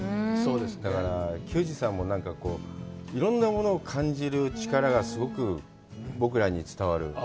だから、球児さんも、なんかこう、いろんなものを感じる力がすごく僕らに伝わる。